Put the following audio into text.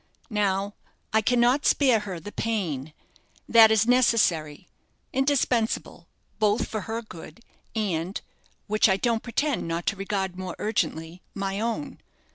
Now, I cannot spare her the pain; that is necessary, indispensable, both for her good, and which I don't pretend not to regard more urgently my own.